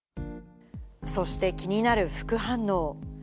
そして気になる副反応。